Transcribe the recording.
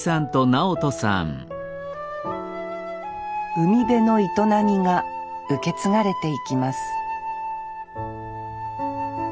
海辺の営みが受け継がれていきます